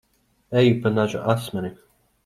Eju pa naža asmeni.